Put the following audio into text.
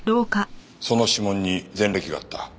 その指紋に前歴があった。